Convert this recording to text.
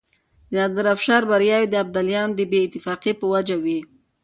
د نادرافشار برياوې د ابدالیانو د بې اتفاقۍ په وجه وې.